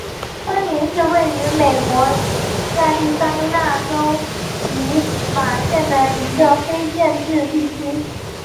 昆林是位于美国亚利桑那州皮马县的一个非建制地区。